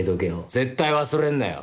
絶対忘れんなよ！